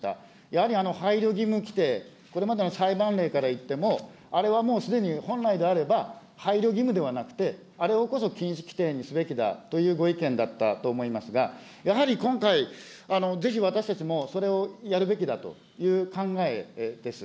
やはり配慮義務規定、これまでの裁判例からいっても、あれはもうすでに本来であれば、配慮義務ではなくて、あれをこそ禁止規定にすべきだというご意見だったと思いますが、やはり今回、ぜひ私たちもそれをやるべきだという考えです。